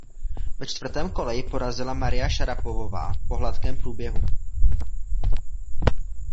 Ve čtvrtém kole ji porazila Maria Šarapovová po hladkém průběhu.